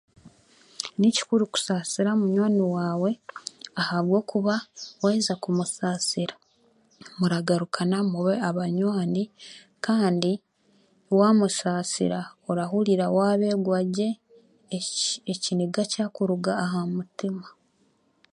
Ni kikuru kusaasira munywani waawe ahabwokuba waaheza kumusaasira muragarukana mube abanywani kandi waamusaasira orahurira waabegwa gye eki ekiniga kyakuruga aha mutima